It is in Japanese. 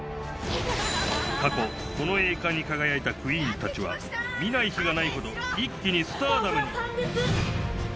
過去、この栄冠に輝いたクイーンたちは、見ない日はないほど、一気にスターダムに。